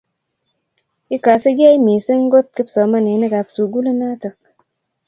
Ikasegei missing ko kipsomaninikab sugulinotok.